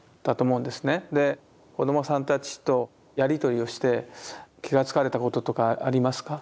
子どもさんたちとやり取りをして気が付かれたこととかありますか？